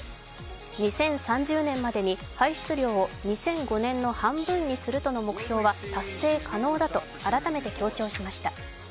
２０３０年までに排出量を２００５年の半分にするという目標は達成可能だと改めて強調しました。